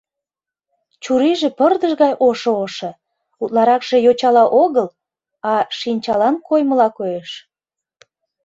Чурийже пырдыж гай ошо-ошо, утларакше йочала огыл, а шинчалан коймыла коеш.